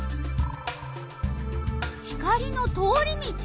光の通り道。